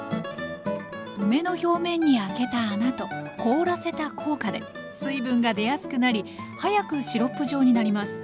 梅の表面に開けた穴と凍らせた効果で水分が出やすくなり早くシロップ状になります。